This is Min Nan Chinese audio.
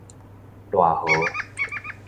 賴和